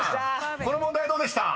この問題どうでした？］